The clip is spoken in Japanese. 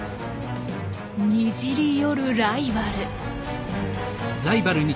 にじり寄るライバル。